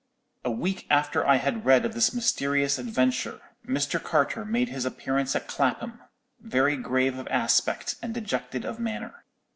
A week after I had read of this mysterious adventure, Mr. Carter made his appearance at Clapham, very grave of aspect and dejected of manner.